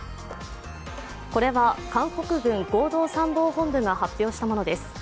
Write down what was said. これは韓国軍合同参謀本部が発表したものです。